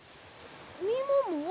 みもも？